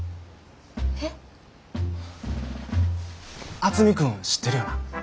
渥美君知ってるよな？